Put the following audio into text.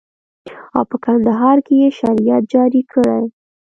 او په کندهار کښې يې شريعت جاري کړى.